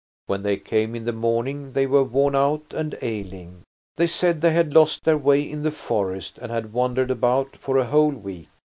When they came in the morning they were worn out and ailing; they said they had lost their way in the forest and had wandered about for a whole week.